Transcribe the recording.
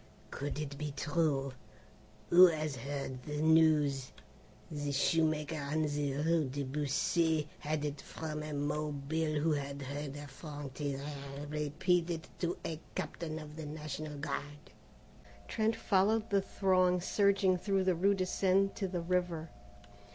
"Could it be true? Who has heard the news? The shoemaker on the rue de Buci had it from a Mobile who had heard a Franctireur repeat it to a captain of the National Guard." Trent followed the throng surging through the rue de Seine to the river.